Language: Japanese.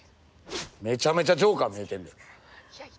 めちゃめちゃジョーカー見えてんで。